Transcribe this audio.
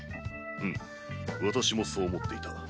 うむ私もそう思っていた。